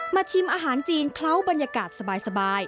ชิมอาหารจีนเคล้าบรรยากาศสบาย